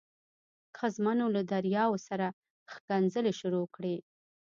ښځمنو له دریاو سره ښکنځلې شروع کړې.